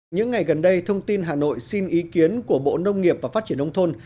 những ngày gần đây thông tin hà nội xin ý kiến của bộ nông nghiệp và phát triển nông thôn